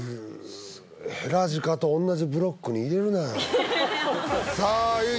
ヘラジカと同じブロックに入れるなさあ結実